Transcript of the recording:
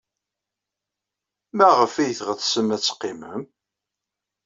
Maɣef ay tɣetsem ad teqqimem?